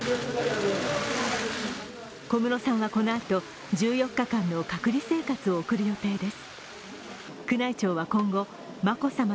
小室さんはこのあと、１４日間の隔離生活を送る予定です。